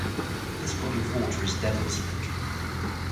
This body of water is Devil's Lake.